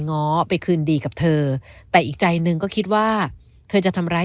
ง้อไปคืนดีกับเธอแต่อีกใจหนึ่งก็คิดว่าเธอจะทำร้าย